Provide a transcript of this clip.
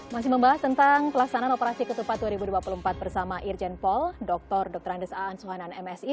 masih membahas tentang pelaksanaan operasi ketupat dua ribu dua puluh empat bersama irjen paul dr dr andes aan suhanan msi